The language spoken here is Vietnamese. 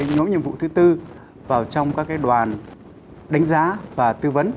nối nhiệm vụ thứ tư vào trong các đoàn đánh giá và tư vấn